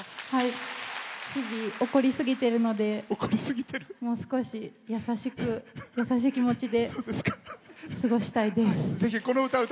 日々、怒りすぎてるのでもう少し優しい気持ちで過ごしたいです。